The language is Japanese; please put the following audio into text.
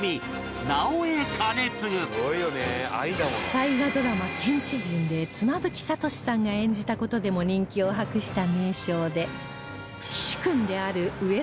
大河ドラマ『天地人』で妻夫木聡さんが演じた事でも人気を博した名将で